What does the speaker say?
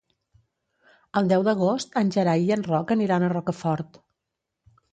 El deu d'agost en Gerai i en Roc aniran a Rocafort.